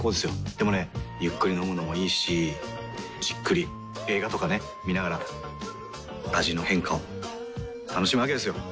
でもねゆっくり飲むのもいいしじっくり映画とかね観ながら味の変化を楽しむわけですよ。